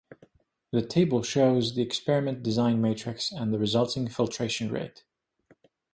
The table shows the experiment design matrix and the resulting filtration rate.